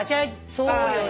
そうよね。